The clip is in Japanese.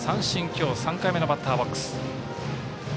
今日３回目のバッターボックス。